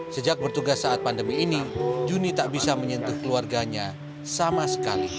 sejak bertugas saat pandemi ini juni tak bisa menyentuh keluarganya sama sekali